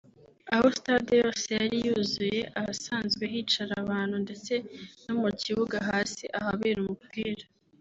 aho Stade yose yari yuzuye ahasanzwe hicara abantu ndetse no mu kibuga hasi ahabera umupira